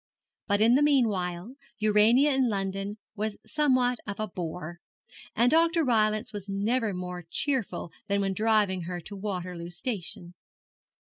But in the meanwhile, Urania in London was somewhat of a bore; and Dr. Rylance was never more cheerful than when driving her to Waterloo Station.